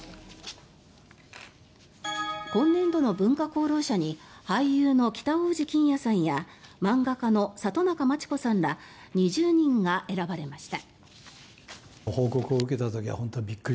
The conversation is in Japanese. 今年度の文化功労者に俳優の北大路欣也さんや漫画家の里中満智子さんら２０人が選ばれました。